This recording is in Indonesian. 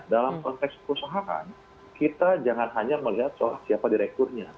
dalam konteks perusahaan kita jangan hanya melihat soal siapa direkturnya